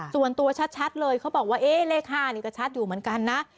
ส่วนตัวชัดเลยเขาบอกว่าเลข๕นี่ก็ชัดอยู่เหมือนกันนะ